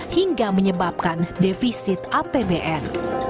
hingga menyebabkan defisit apbn